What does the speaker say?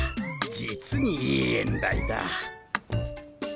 実にいい縁台だ。